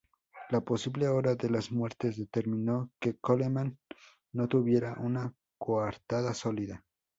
La posible hora de las muertes determinó que Coleman no tuviera una coartada sólida.